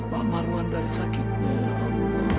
pak marwan dari sakitnya ya allah